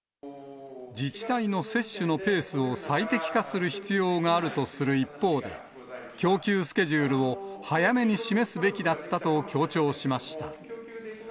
自治体の接種のペースを最適化する必要があるとする一方で、供給スケジュールを早めに示すべきだったと強調しました。